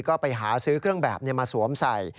ก็ไปหาซื้อเครื่องแบบมาสวมใส่